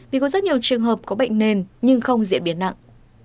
vì có rất nhiều trường hợp có bệnh nền nhưng không diễn biến nặng